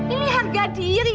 ini harga diri